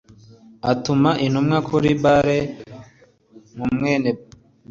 atuma intumwa kuri bal mu mwene bewori